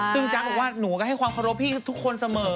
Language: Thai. ซึ่งจ๊ะบอกว่าหนูก็ให้ความเคารพพี่ทุกคนเสมอ